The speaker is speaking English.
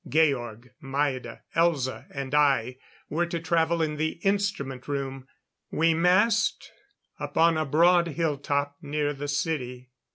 Georg, Maida, Elza and I were to travel in the instrument room. We massed upon a broad hilltop near the city.